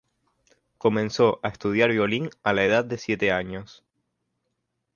Comenzó a estudiar violín a la edad de siete años.